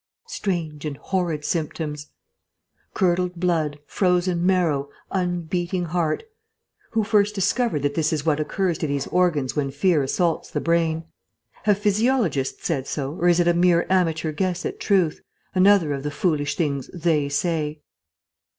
Strange and horrid symptoms! Curdled blood, frozen marrow, unbeating heart ... who first discovered that this is what occurs to these organs when fear assaults the brain? Have physiologists said so, or is it a mere amateur guess at truth, another of the foolish things "they" say?